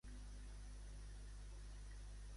Què farà Àfrica Fanlo?